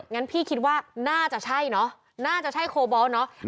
งั้นพี่คิดว่าน่าจะใช่เนอะน่าจะใช่โคบอลเนาะ